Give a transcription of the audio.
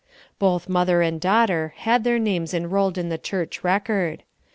Both mother and daughter had their names enrolled on the church record.